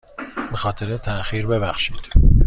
به خاطر تاخیر ببخشید.